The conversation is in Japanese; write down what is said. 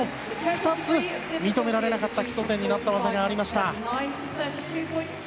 ２つ、認められなかった基礎点になった技がありました。